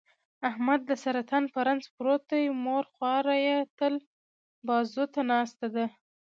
احمد د سرطان په رنځ پروت دی، مور خواره یې تل بازوته ناسته ده.